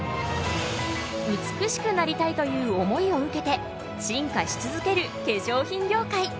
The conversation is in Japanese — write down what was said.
美しくなりたいという思いを受けて進化し続ける化粧品業界。